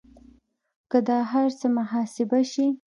که دا هر څه محاسبه شي